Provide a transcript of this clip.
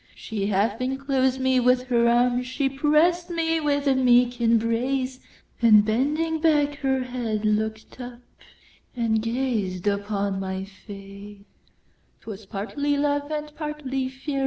She half enclosed me with her arms, She press'd me with a meek embrace; And bending back her head, look'd up, And gazed upon my face.'Twas partly love, and partly fear.